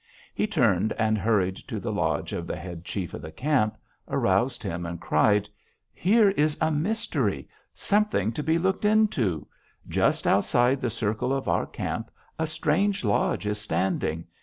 He turned and hurried to the lodge of the head chief of the camp, aroused him, and cried: 'Here is a mystery; something to be looked into: just outside the circle of our camp a strange lodge is standing.